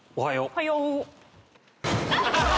おはよーう。